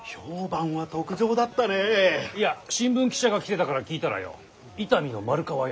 いや新聞記者が来てたから聞いたらよ伊丹の丸川屋